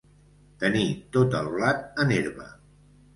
Tenir tot el blat en herba.